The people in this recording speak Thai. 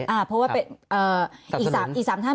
เพราะว่าอีก๓ท่าน